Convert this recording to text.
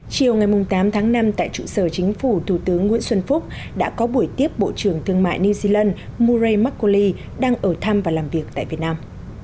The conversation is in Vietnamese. chiều ngày tám tháng năm tại trụ sở chính phủ thủ tướng nguyễn xuân phúc đã có buổi tiếp bộ trưởng thương mại new zealand mure markoli đang ở thăm và làm việc tại việt nam